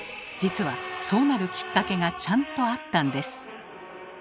実はそうなるきっかけがちゃんとあったんです。